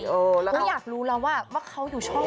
เพราะอยากรู้แล้วว่าเขาอยู่ช่องไหน